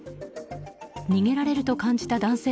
逃げられると感じた男性